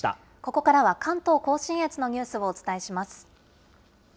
ここからは関東甲信越のニュースをお伝えします。